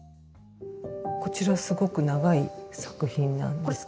こちらすごく長い作品なんですけれども。